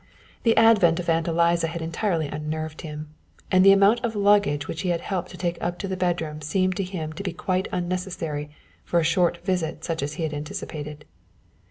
The advent of Aunt Eliza had entirely unnerved him, and the amount of luggage which he had helped to take up to the bedroom seemed to him to be quite unnecessary for a short visit such as he had anticipated.